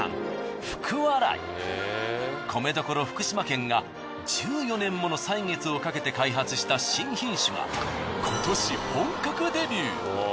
米どころ福島県が１４年もの歳月をかけて開発した新品種が今年本格デビュー。